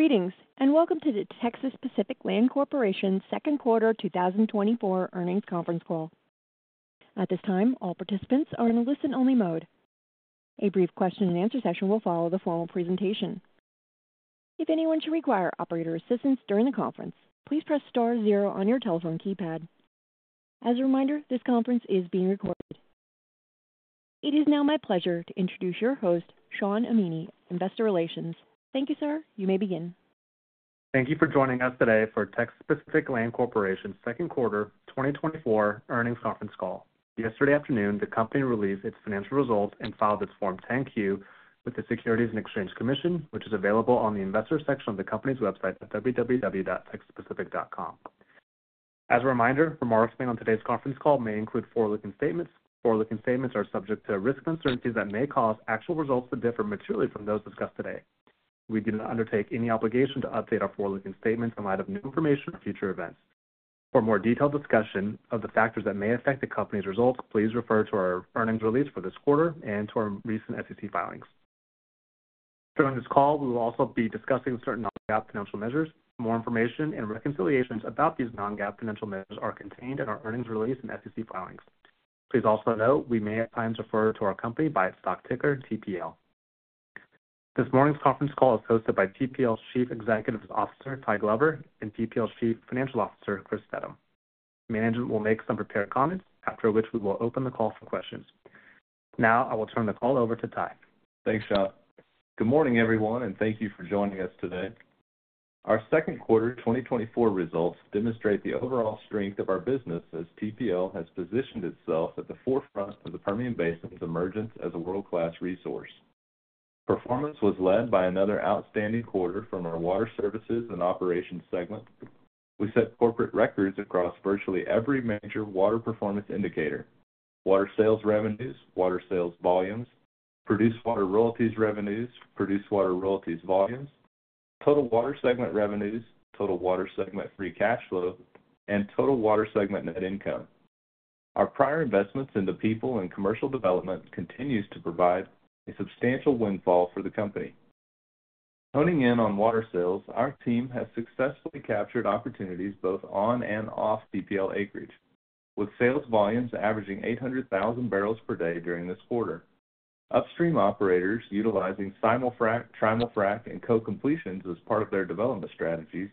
Greetings, and welcome to the Texas Pacific Land Corporation Second Quarter 2024 earnings conference call. At this time, all participants are in a listen-only mode. A brief question-and-answer session will follow the formal presentation. If anyone should require operator assistance during the conference, please press star zero on your telephone keypad. As a reminder, this conference is being recorded. It is now my pleasure to introduce your host, Shawn Amini, investor relations. Thank you, sir. You may begin. Thank you for joining us today for Texas Pacific Land Corporation's Second Quarter 2024 earnings conference call. Yesterday afternoon, the company released its financial results and filed its Form 10-Q with the Securities and Exchange Commission, which is available on the investors section of the company's website at www.texpacific.com. As a reminder, remarks made on today's conference call may include forward-looking statements. Forward-looking statements are subject to risks and uncertainties that may cause actual results to differ materially from those discussed today. We do not undertake any obligation to update our forward-looking statements in light of new information or future events. For more detailed discussion of the factors that may affect the company's results, please refer to our earnings release for this quarter and to our recent SEC filings. During this call, we will also be discussing certain non-GAAP financial measures. More information and reconciliations about these non-GAAP financial measures are contained in our earnings release and SEC filings. Please also note we may at times refer to our company by its stock ticker, TPL. This morning's conference call is hosted by TPL's Chief Executive Officer, Ty Glover, and TPL's Chief Financial Officer, Chris Steddum. Management will make some prepared comments, after which we will open the call for questions. Now I will turn the call over to Ty. Thanks, Shawn. Good morning, everyone, and thank you for joining us today. Our second quarter 2024 results demonstrate the overall strength of our business as TPL has positioned itself at the forefront of the Permian Basin's emergence as a world-class resource. Performance was led by another outstanding quarter from our water services and operations segment. We set corporate records across virtually every major water performance indicator: water sales revenues, water sales volumes, produced water royalties revenues, produced water royalties volumes, total water segment revenues, total water segment free cash flow, and total water segment net income. Our prior investments in the people and commercial development continues to provide a substantial windfall for the company. Honing in on water sales, our team has successfully captured opportunities both on and off TPL acreage, with sales volumes averaging 800,000 barrels per day during this quarter. Upstream operators utilizing simul-frac, trimul-frac, and co-completions as part of their development strategies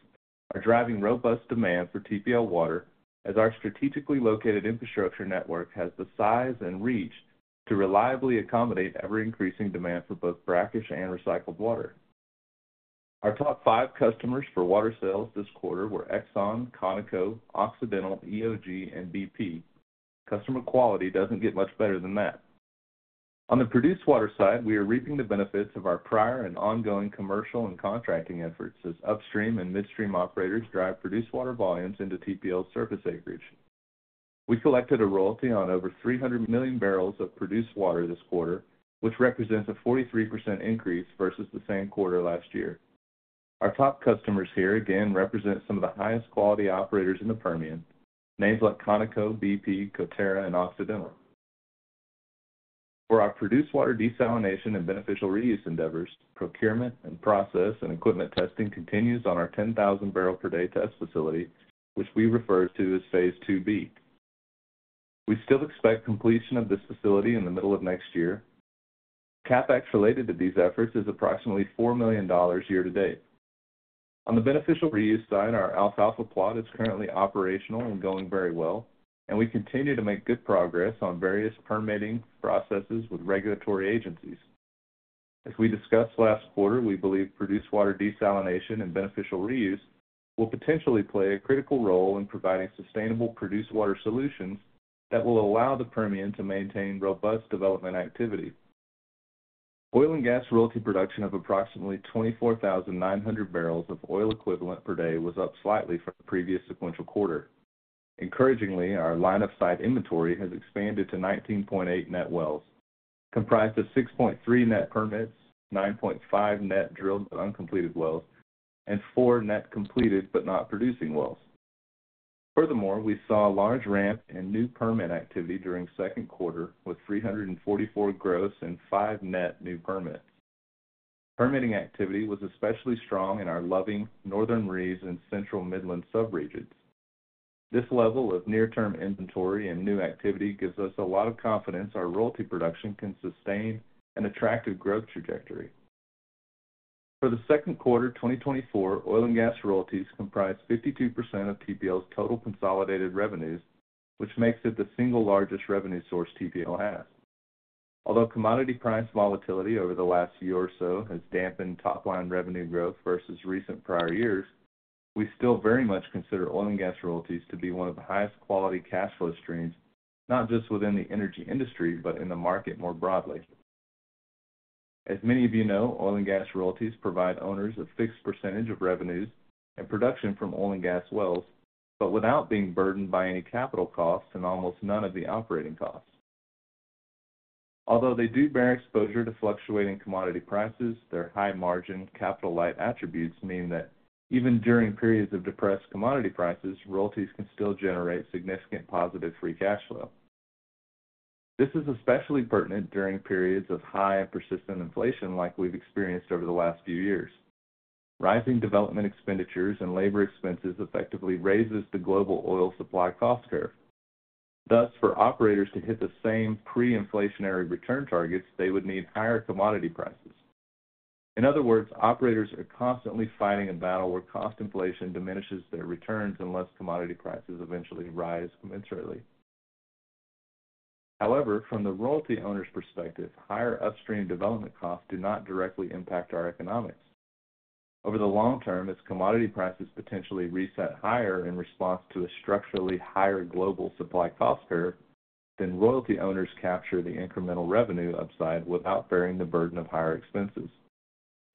are driving robust demand for TPL water, as our strategically located infrastructure network has the size and reach to reliably accommodate ever-increasing demand for both brackish and recycled water. Our top five customers for water sales this quarter were Exxon, Conoco, Occidental, EOG, and BP. Customer quality doesn't get much better than that. On the produced water side, we are reaping the benefits of our prior and ongoing commercial and contracting efforts as upstream and midstream operators drive produced water volumes into TPL's surface acreage. We collected a royalty on over 300 million barrels of produced water this quarter, which represents a 43% increase versus the same quarter last year. Our top customers here again represent some of the highest quality operators in the Permian, names like Conoco, BP, Coterra, and Occidental. For our produced water desalination and beneficial reuse endeavors, procurement and process and equipment testing continues on our 10,000 barrel per day test facility, which we refer to as phase II-B. We still expect completion of this facility in the middle of next year. CapEx related to these efforts is approximately $4 million year to date. On the beneficial reuse side, our alfalfa plot is currently operational and going very well, and we continue to make good progress on various permitting processes with regulatory agencies. As we discussed last quarter, we believe produced water desalination and beneficial reuse will potentially play a critical role in providing sustainable produced water solutions that will allow the Permian to maintain robust development activity. Oil and gas royalty production of approximately 24,900 barrels of oil equivalent per day was up slightly from the previous sequential quarter. Encouragingly, our line-of-sight inventory has expanded to 19.8 net wells, comprised of six-point-three net permits, nine-point-five net drilled but uncompleted wells, and four net completed but not producing wells. Furthermore, we saw a large ramp in new permit activity during the second quarter, with 344 gross and 5 net new permits. Permitting activity was especially strong in our Loving, Northern Reeves, and Central Midland sub-regions. This level of near-term inventory and new activity gives us a lot of confidence our royalty production can sustain an attractive growth trajectory. For the second quarter 2024, oil and gas royalties comprised 52% of TPL's total consolidated revenues, which makes it the single largest revenue source TPL has. Although commodity price volatility over the last year or so has dampened top-line revenue growth versus recent prior years, we still very much consider oil and gas royalties to be one of the highest quality cash flow streams, not just within the energy industry, but in the market more broadly. As many of you know, oil and gas royalties provide owners a fixed percentage of revenues and production from oil and gas wells, but without being burdened by any capital costs and almost none of the operating costs. Although they do bear exposure to fluctuating commodity prices, their high margin, capital-light attributes mean that even during periods of depressed commodity prices, royalties can still generate significant positive free cash flow.... This is especially pertinent during periods of high and persistent inflation like we've experienced over the last few years. Rising development expenditures and labor expenses effectively raises the global oil supply cost curve. Thus, for operators to hit the same pre-inflationary return targets, they would need higher commodity prices. In other words, operators are constantly fighting a battle where cost inflation diminishes their returns unless commodity prices eventually rise commensurately. However, from the royalty owner's perspective, higher upstream development costs do not directly impact our economics. Over the long term, as commodity prices potentially reset higher in response to a structurally higher global supply cost curve, then royalty owners capture the incremental revenue upside without bearing the burden of higher expenses.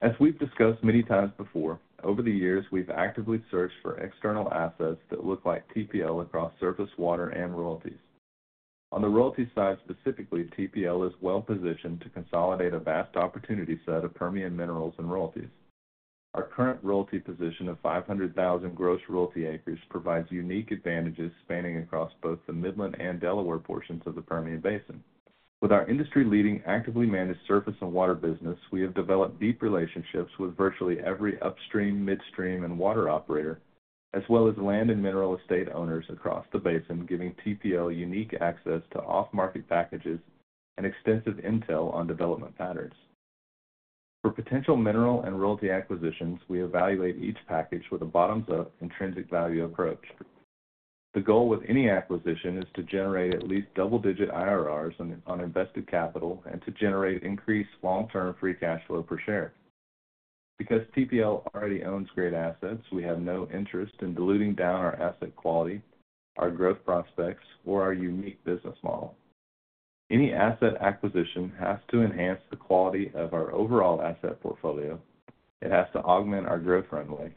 As we've discussed many times before, over the years, we've actively searched for external assets that look like TPL across surface water and royalties. On the royalty side, specifically, TPL is well-positioned to consolidate a vast opportunity set of Permian minerals and royalties. Our current royalty position of 500,000 gross royalty acres provides unique advantages spanning across both the Midland and Delaware portions of the Permian Basin. With our industry-leading, actively managed surface and water business, we have developed deep relationships with virtually every upstream, midstream, and water operator, as well as land and mineral estate owners across the basin, giving TPL unique access to off-market packages and extensive intel on development patterns. For potential mineral and royalty acquisitions, we evaluate each package with a bottoms-up intrinsic value approach. The goal with any acquisition is to generate at least double-digit IRRs on invested capital and to generate increased long-term free cash flow per share. Because TPL already owns great assets, we have no interest in diluting down our asset quality, our growth prospects, or our unique business model. Any asset acquisition has to enhance the quality of our overall asset portfolio, it has to augment our growth runway,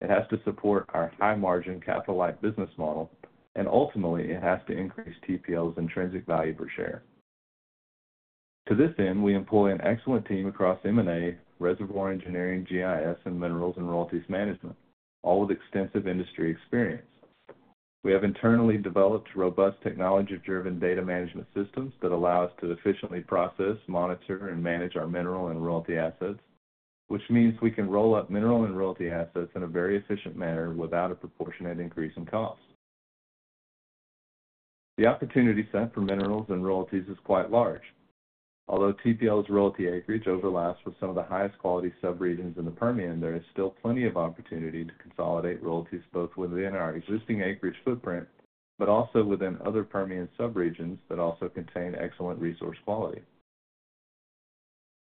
it has to support our high-margin, capital-light business model, and ultimately, it has to increase TPL's intrinsic value per share. To this end, we employ an excellent team across M&A, reservoir engineering, GIS, and minerals and royalties management, all with extensive industry experience. We have internally developed robust technology-driven data management systems that allow us to efficiently process, monitor, and manage our mineral and royalty assets, which means we can roll up mineral and royalty assets in a very efficient manner without a proportionate increase in costs. The opportunity set for minerals and royalties is quite large. Although TPL's royalty acreage overlaps with some of the highest quality subregions in the Permian, there is still plenty of opportunity to consolidate royalties, both within our existing acreage footprint, but also within other Permian subregions that also contain excellent resource quality.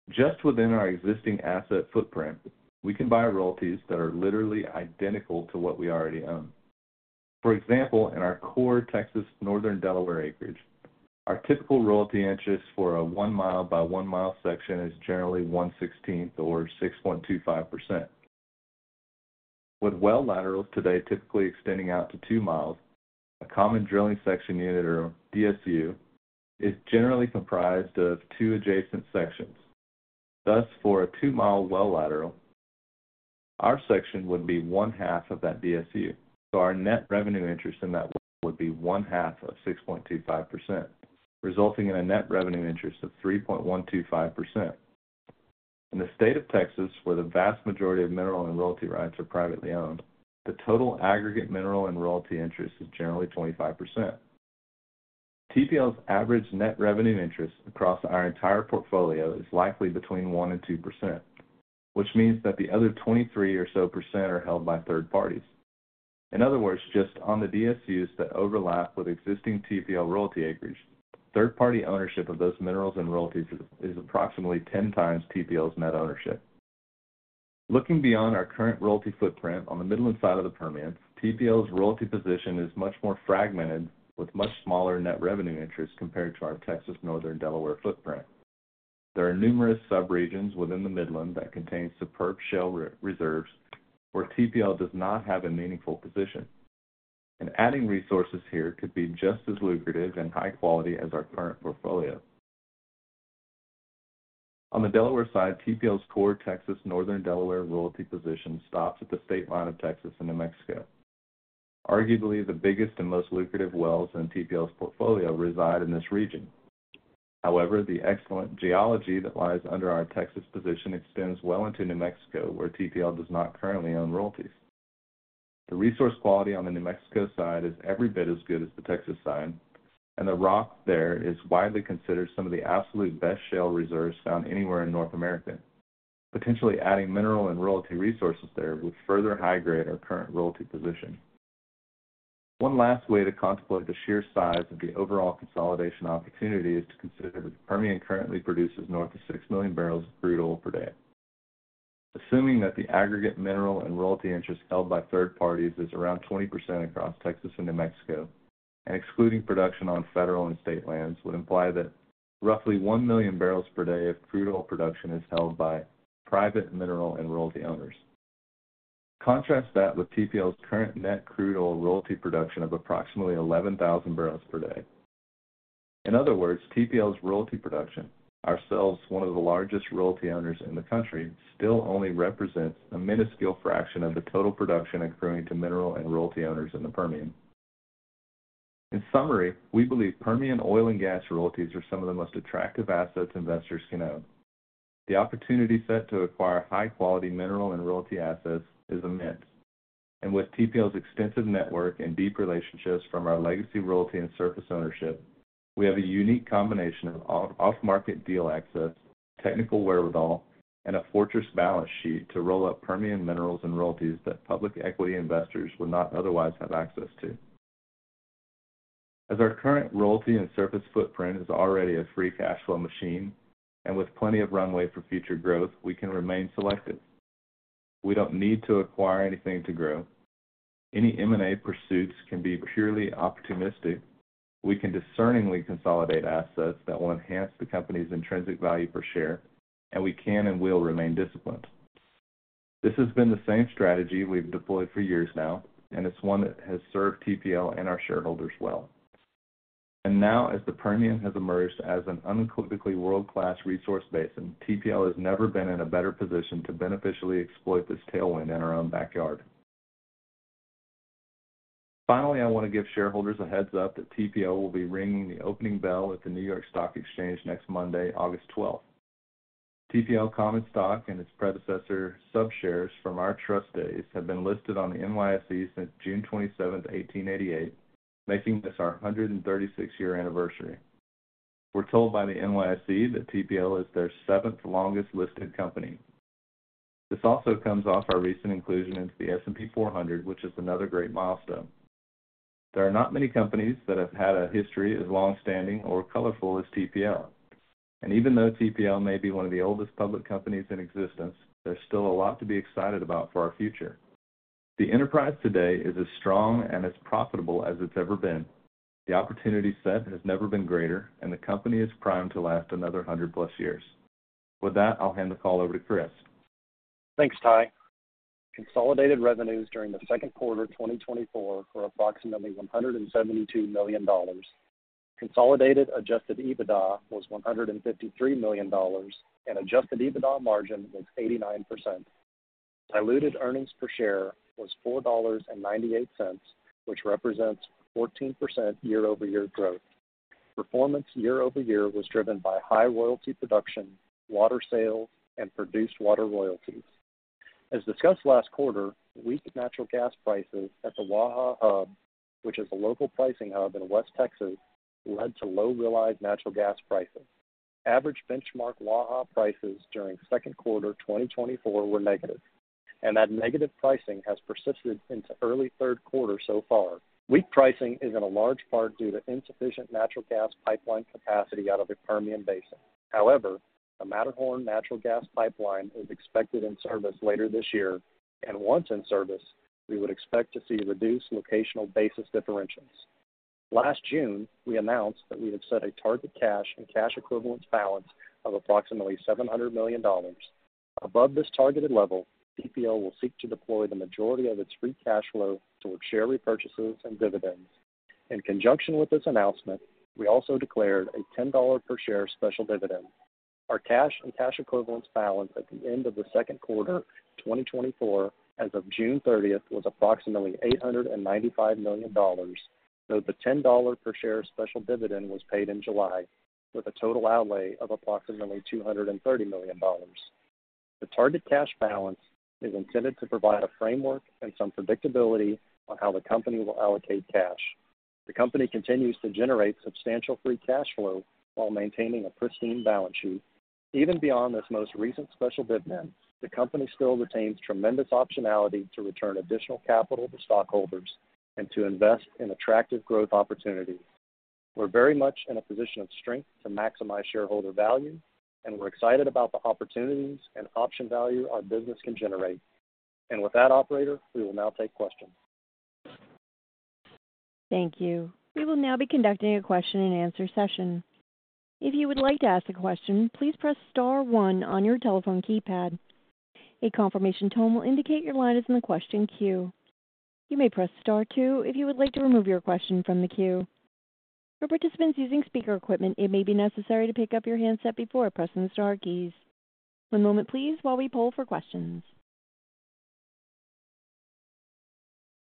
Just within our existing asset footprint, we can buy royalties that are literally identical to what we already own. For example, in our core Texas, Northern Delaware acreage, our typical royalty interest for a one-mile by one-mile section is generally 1/16 or 6.25%. With well laterals today typically extending out to two miles, a common drilling section unit, or DSU, is generally comprised of two adjacent sections. Thus, for a two-mile well lateral, our section would be one half of that DSU, so our net revenue interest in that well would be one half of 6.25%, resulting in a net revenue interest of 3.125%. In the state of Texas, where the vast majority of mineral and royalty rights are privately owned, the total aggregate mineral and royalty interest is generally 25%. TPL's average net revenue interest across our entire portfolio is likely between 1% and 2%, which means that the other 23% or so are held by third parties. In other words, just on the DSUs that overlap with existing TPL royalty acreage, third-party ownership of those minerals and royalties is approximately 10 times TPL's net ownership. Looking beyond our current royalty footprint on the Midland side of the Permian, TPL's royalty position is much more fragmented with much smaller net revenue interest compared to our Texas, Northern Delaware footprint. There are numerous subregions within the Midland that contain superb shale reserves where TPL does not have a meaningful position, and adding resources here could be just as lucrative and high quality as our current portfolio. On the Delaware side, TPL's core Texas, Northern Delaware royalty position stops at the state line of Texas and New Mexico. Arguably, the biggest and most lucrative wells in TPL's portfolio reside in this region. However, the excellent geology that lies under our Texas position extends well into New Mexico, where TPL does not currently own royalties. The resource quality on the New Mexico side is every bit as good as the Texas side, and the rock there is widely considered some of the absolute best shale reserves found anywhere in North America. Potentially adding mineral and royalty resources there would further high-grade our current royalty position. One last way to contemplate the sheer size of the overall consolidation opportunity is to consider that Permian currently produces north of 6 million barrels of crude oil per day. Assuming that the aggregate mineral and royalty interest held by third parties is around 20% across Texas and New Mexico, and excluding production on federal and state lands, would imply that roughly 1 million barrels per day of crude oil production is held by private mineral and royalty owners. Contrast that with TPL's current net crude oil royalty production of approximately 11,000 barrels per day. In other words, TPL's royalty production, ourselves, one of the largest royalty owners in the country, still only represents a minuscule fraction of the total production accruing to mineral and royalty owners in the Permian. In summary, we believe Permian oil and gas royalties are some of the most attractive assets investors can own. The opportunity set to acquire high-quality mineral and royalty assets is immense, and with TPL's extensive network and deep relationships from our legacy, royalty, and surface ownership, we have a unique combination of off-market deal access, technical wherewithal, and a fortress balance sheet to roll up Permian minerals and royalties that public equity investors would not otherwise have access to. As our current royalty and surface footprint is already a free cash flow machine, and with plenty of runway for future growth, we can remain selective. We don't need to acquire anything to grow. Any M&A pursuits can be purely opportunistic. We can discerningly consolidate assets that will enhance the company's intrinsic value per share, and we can and will remain disciplined. This has been the same strategy we've deployed for years now, and it's one that has served TPL and our shareholders well. Now, as the Permian has emerged as an unequivocally world-class resource basin, TPL has never been in a better position to beneficially exploit this tailwind in our own backyard. Finally, I want to give shareholders a heads-up that TPL will be ringing the opening bell at the New York Stock Exchange next Monday, August 12. TPL common stock and its predecessor sub shares from our trust days have been listed on the NYSE since June 27, 1888, making this our 136-year anniversary. We're told by the NYSE that TPL is their 7th longest-listed company. This also comes off our recent inclusion into the S&P 400, which is another great milestone. There are not many companies that have had a history as longstanding or colorful as TPL. And even though TPL may be one of the oldest public companies in existence, there's still a lot to be excited about for our future. The enterprise today is as strong and as profitable as it's ever been. The opportunity set has never been greater, and the company is primed to last another 100+ years. With that, I'll hand the call over to Chris. Thanks, Ty. Consolidated revenues during the second quarter 2024 were approximately $172 million. Consolidated adjusted EBITDA was $153 million, and adjusted EBITDA margin was 89%. Diluted earnings per share was $4.98, which represents 14% year-over-year growth. Performance year-over-year was driven by high royalty production, water sales, and produced water royalties. As discussed last quarter, weak natural gas prices at the Waha Hub, which is a local pricing hub in West Texas, led to low realized natural gas prices. Average benchmark Waha prices during second quarter 2024 were negative, and that negative pricing has persisted into early third quarter so far. Weak pricing is in a large part due to insufficient natural gas pipeline capacity out of the Permian Basin. However, the Matterhorn natural gas pipeline is expected in service later this year, and once in service, we would expect to see reduced locational basis differentials. Last June, we announced that we had set a target cash and cash equivalents balance of approximately $700 million. Above this targeted level, TPL will seek to deploy the majority of its free cash flow towards share repurchases and dividends. In conjunction with this announcement, we also declared a $10 per share special dividend. Our cash and cash equivalents balance at the end of the second quarter, 2024, as of June 30, was approximately $895 million, though the $10 per share special dividend was paid in July, with a total outlay of approximately $230 million. The target cash balance is intended to provide a framework and some predictability on how the company will allocate cash. The company continues to generate substantial free cash flow while maintaining a pristine balance sheet. Even beyond this most recent special dividend, the company still retains tremendous optionality to return additional capital to stockholders and to invest in attractive growth opportunities. We're very much in a position of strength to maximize shareholder value, and we're excited about the opportunities and option value our business can generate. With that, operator, we will now take questions. Thank you. We will now be conducting a question-and-answer session. If you would like to ask a question, please press star one on your telephone keypad. A confirmation tone will indicate your line is in the question queue. You may press star two if you would like to remove your question from the queue. For participants using speaker equipment, it may be necessary to pick up your handset before pressing the star keys. One moment, please, while we poll for questions.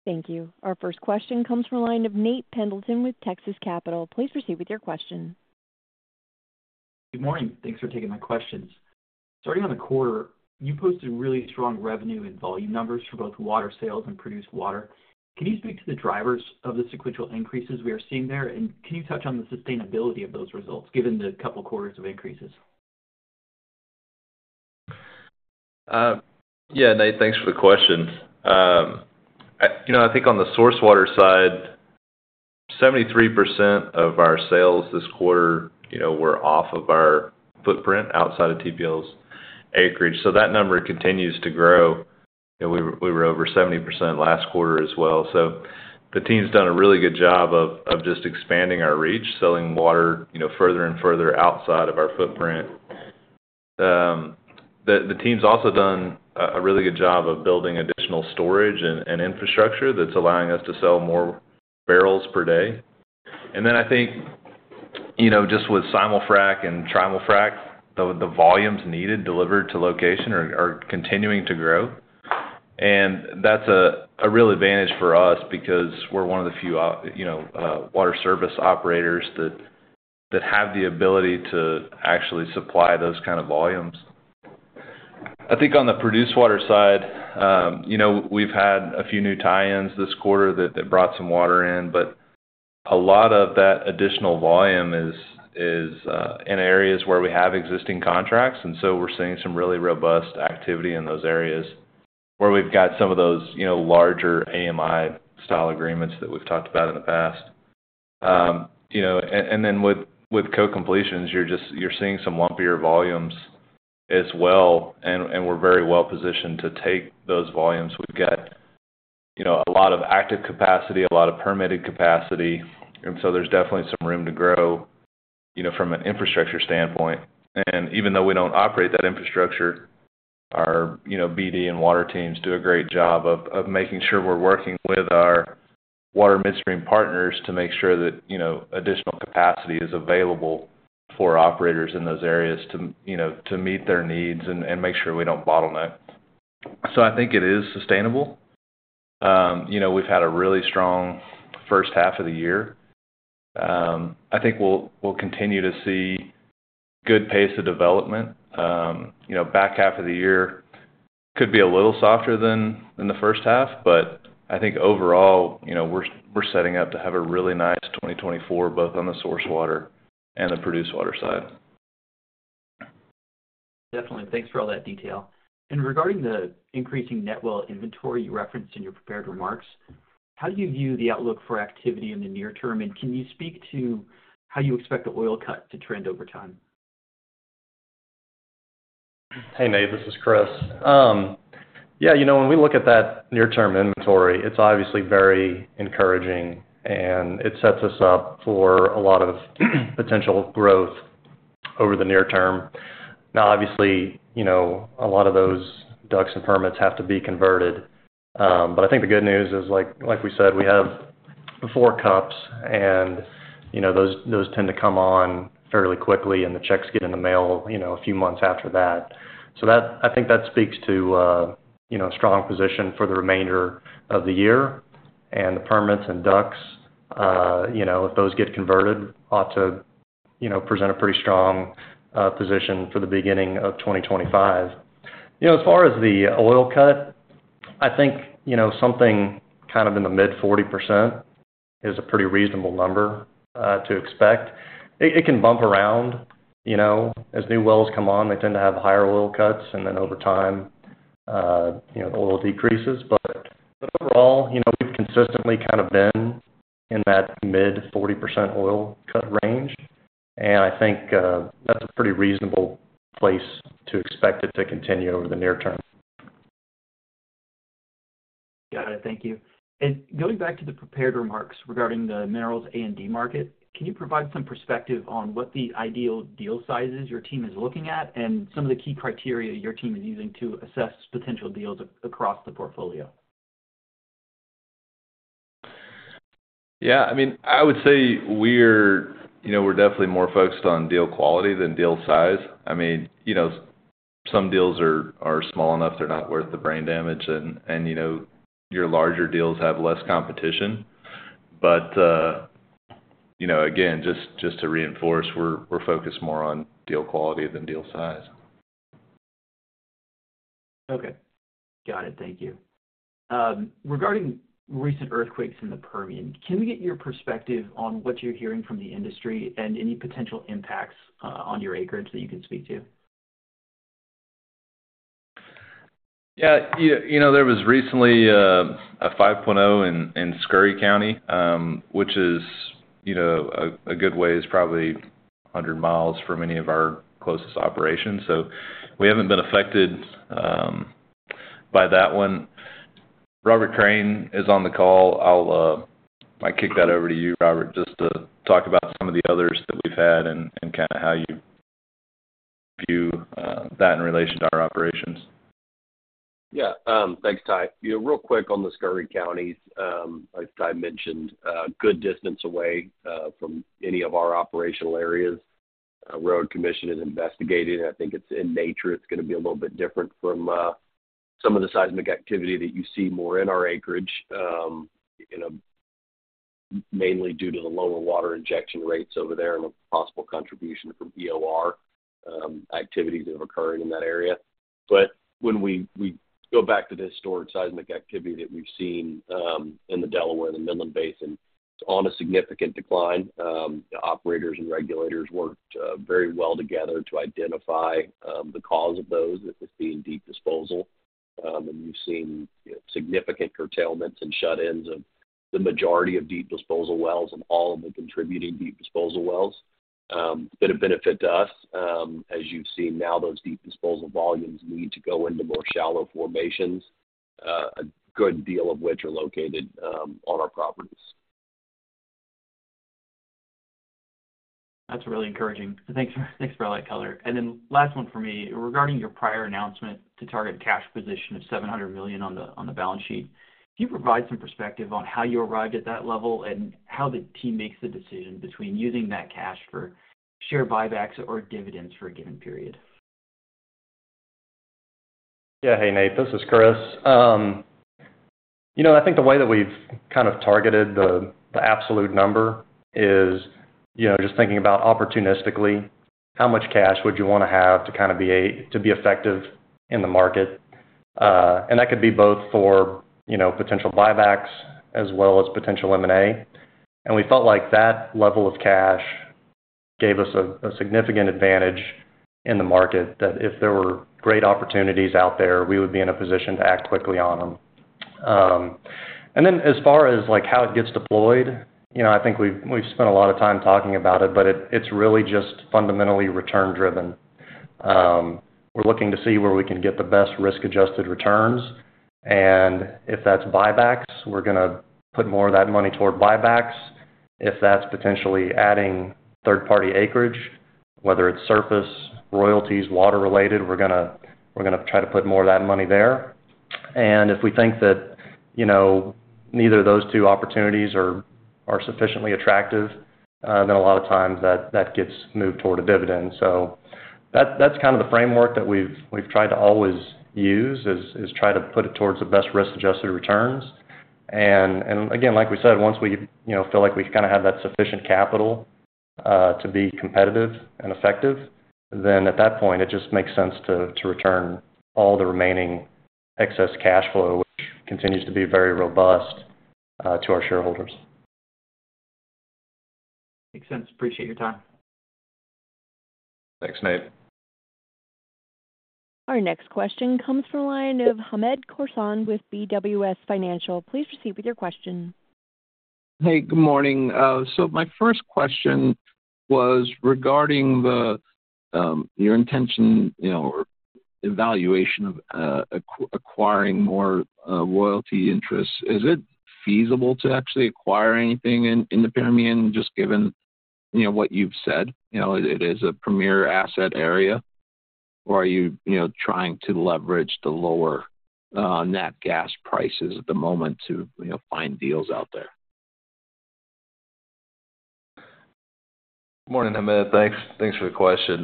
Thank you. Our first question comes from the line of Nate Pendleton with Texas Capital. Please proceed with your question. Good morning. Thanks for taking my questions. Starting on the quarter, you posted really strong revenue and volume numbers for both water sales and produced water. Can you speak to the drivers of the sequential increases we are seeing there, and can you touch on the sustainability of those results, given the couple quarters of increases? Yeah, Nate, thanks for the question. You know, I think on the source water side, 73% of our sales this quarter were off of our footprint outside of TPL's acreage. So that number continues to grow, and we were over 70% last quarter as well. So the team's done a really good job of just expanding our reach, selling water, you know, further and further outside of our footprint. The team's also done a really good job of building additional storage and infrastructure that's allowing us to sell more barrels per day. And then I think... ... you know, just with simul-frac and tri-frac, the volumes needed delivered to location are continuing to grow. And that's a real advantage for us because we're one of the few operators—you know, water service operators that have the ability to actually supply those kind of volumes. I think on the produced water side, you know, we've had a few new tie-ins this quarter that brought some water in, but a lot of that additional volume is in areas where we have existing contracts, and so we're seeing some really robust activity in those areas, where we've got some of those, you know, larger AMI-style agreements that we've talked about in the past. You know, and then with co-completions, you're just—you're seeing some lumpier volumes as well, and we're very well positioned to take those volumes. We've got, you know, a lot of active capacity, a lot of permitted capacity, and so there's definitely some room to grow, you know, from an infrastructure standpoint. And even though we don't operate that infrastructure, our, you know, BD and water teams do a great job of making sure we're working with our water midstream partners to make sure that, you know, additional capacity is available for operators in those areas to, you know, to meet their needs and make sure we don't bottleneck. So I think it is sustainable. You know, we've had a really strong first half of the year. I think we'll continue to see good pace of development. You know, back half of the year could be a little softer than the first half, but I think overall, you know, we're setting up to have a really nice 2024, both on the source water and the produced water side. Definitely. Thanks for all that detail. Regarding the increasing net well inventory you referenced in your prepared remarks, how do you view the outlook for activity in the near term, and can you speak to how you expect the oil cut to trend over time? Hey, Nate, this is Chris. Yeah, you know, when we look at that near-term inventory, it's obviously very encouraging, and it sets us up for a lot of potential growth over the near term. Now, obviously, you know, a lot of those DUCs and permits have to be converted. But I think the good news is, like we said, we have four CUPs, and, you know, those tend to come on fairly quickly, and the checks get in the mail, you know, a few months after that. So that—I think that speaks to, you know, a strong position for the remainder of the year. And the permits and DUCs, you know, if those get converted, ought to, you know, present a pretty strong position for the beginning of 2025. You know, as far as the oil cut, I think, you know, something kind of in the mid-40% is a pretty reasonable number to expect. It can bump around, you know. As new wells come on, they tend to have higher oil cuts, and then over time, you know, the oil decreases. But overall, you know, we've consistently kind of been in that mid-40% oil cut range, and I think, that's a pretty reasonable place to expect it to continue over the near term. Got it. Thank you. And going back to the prepared remarks regarding the minerals A&D market, can you provide some perspective on what the ideal deal sizes your team is looking at, and some of the key criteria your team is using to assess potential deals across the portfolio? Yeah, I mean, I would say we're, you know, we're definitely more focused on deal quality than deal size. I mean, you know, some deals are small enough, they're not worth the brain damage, and, you know, your larger deals have less competition. But, you know, again, just to reinforce, we're focused more on deal quality than deal size. Okay. Got it. Thank you. Regarding recent earthquakes in the Permian, can we get your perspective on what you're hearing from the industry, and any potential impacts on your acreage that you can speak to? Yeah, you know, there was recently a 5.0 in Scurry County, which is, you know, a good way, is probably 100 miles from any of our closest operations, so we haven't been affected by that one. Robert Crain is on the call. I'll kick that over to you, Robert, just to talk about some of the others that we've had and kinda how you view that in relation to our operations. Yeah. Thanks, Ty. Yeah, real quick on the Scurry County. Like Ty mentioned, a good distance away from any of our operational areas. Railroad Commission is investigating, and I think it's in nature, it's gonna be a little bit different from some of the seismic activity that you see more in our acreage, you know, mainly due to the lower water injection rates over there and the possible contribution from EOR activities that are occurring in that area. But when we go back to the historic seismic activity that we've seen in the Delaware and the Midland Basin, it's on a significant decline. The operators and regulators worked very well together to identify the cause of those. It was deep disposal. and we've seen significant curtailments and shut-ins of the majority of deep disposal wells and all of the contributing deep disposal wells. Been a benefit to us. As you've seen now, those deep disposal volumes need to go into more shallow formations, a good deal of which are located on our properties. That's really encouraging. Thanks thanks for all that color. And then last one for me. Regarding your prior announcement to target cash position of $700 million on the balance sheet, can you provide some perspective on how you arrived at that level, and how the team makes the decision between using that cash for share buybacks or dividends for a given period?... Yeah. Hey, Nate, this is Chris. You know, I think the way that we've kind of targeted the, the absolute number is, you know, just thinking about opportunistically, how much cash would you wanna have to kind of be a- to be effective in the market? And that could be both for, you know, potential buybacks as well as potential M&A. And we felt like that level of cash gave us a, a significant advantage in the market, that if there were great opportunities out there, we would be in a position to act quickly on them. And then as far as, like, how it gets deployed, you know, I think we've, we've spent a lot of time talking about it, but it, it's really just funda mentally return driven. We're looking to see where we can get the best risk-adjusted returns, and if that's buybacks, we're gonna put more of that money toward buybacks. If that's potentially adding third-party acreage, whether it's surface, royalties, water-related, we're gonna try to put more of that money there. And if we think that, you know, neither of those two opportunities are sufficiently attractive, then a lot of times that gets moved toward a dividend. So that's kind of the framework that we've tried to always use, is try to put it towards the best risk-adjusted returns. And again, like we said, once we, you know, feel like we kind of have that sufficient capital to be competitive and effective, then at that point, it just makes sense to return all the remaining excess cash flow, which continues to be very robust, to our shareholders. Makes sense. Appreciate your time. Thanks, Nate. Our next question comes from the line of Hamed Khorsand with BWS Financial. Please proceed with your question. Hey, good morning. So my first question was regarding the, your intention, you know, or evaluation of, acquiring more, royalty interests. Is it feasible to actually acquire anything in, in the Permian, just given, you know, what you've said, you know, it is a premier asset area? Or are you, you know, trying to leverage the lower, nat gas prices at the moment to, you know, find deals out there? Morning, Hamed. Thanks, thanks for the question.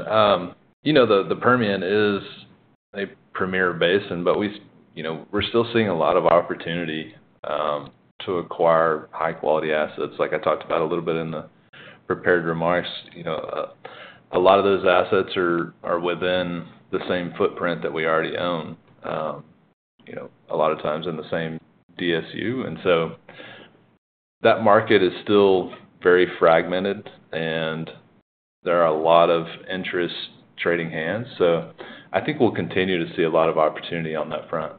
You know, the Permian is a premier basin, but we, you know, we're still seeing a lot of opportunity to acquire high-quality assets. Like I talked about a little bit in the prepared remarks, you know, a lot of those assets are within the same footprint that we already own, you know, a lot of times in the same DSU. And so that market is still very fragmented, and there are a lot of interests trading hands. So I think we'll continue to see a lot of opportunity on that front.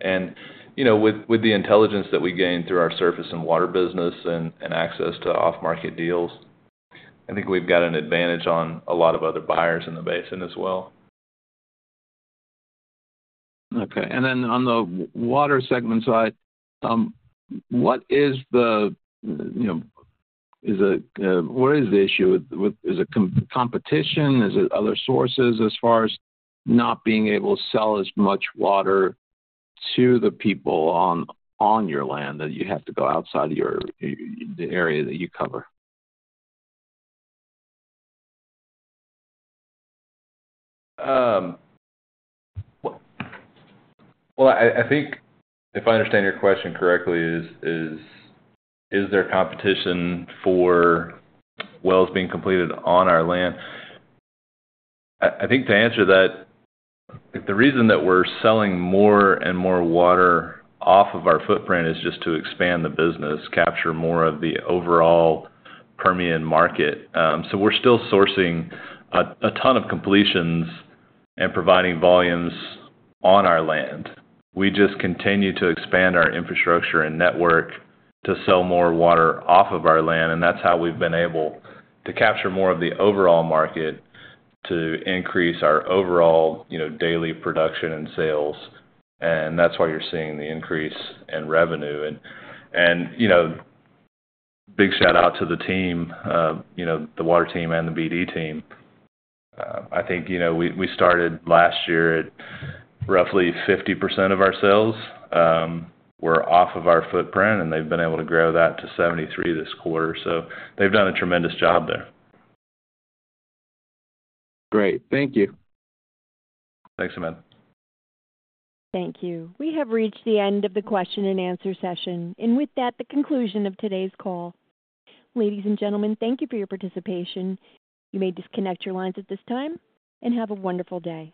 And, you know, with the intelligence that we gain through our surface and water business and access to off-market deals, I think we've got an advantage on a lot of other buyers in the basin as well. Okay. And then on the water segment side, you know, what is the issue? Is it competition? Is it other sources as far as not being able to sell as much water to the people on your land that you have to go outside the area that you cover? Well, I think if I understand your question correctly, is there competition for wells being completed on our land? I think to answer that, the reason that we're selling more and more water off of our footprint is just to expand the business, capture more of the overall Permian market. So we're still sourcing a ton of completions and providing volumes on our land. We just continue to expand our infrastructure and network to sell more water off of our land, and that's how we've been able to capture more of the overall market to increase our overall, you know, daily production and sales, and that's why you're seeing the increase in revenue. And you know, big shout-out to the team, you know, the water team and the BD team. I think, you know, we started last year at roughly 50% of our sales were off of our footprint, and they've been able to grow that to 73% this quarter. So they've done a tremendous job there. Great. Thank you. Thanks, Hamed. Thank you. We have reached the end of the question-and-answer session, and with that, the conclusion of today's call. Ladies and gentlemen, thank you for your participation. You may disconnect your lines at this time, and have a wonderful day.